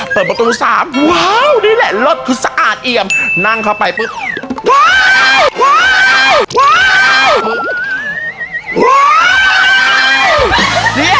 เปิดประตู๓ว้าวนี่แหละรถคือสะอาดเอี่ยมนั่งเข้าไปปุ๊บว้าว